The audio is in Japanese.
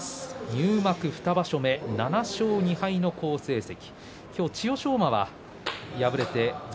入幕２場所で、７勝２敗の好成績